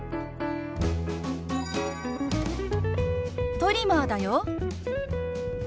トリマーだよ。